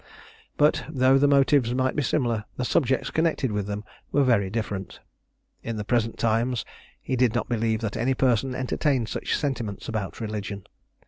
But, though the motives might be similar, the subjects connected with them were very different. In the present times he did not believe that any person entertained such sentiments about religion.